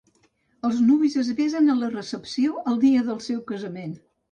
Els nuvis es besen a la recepció el dia del seu casament.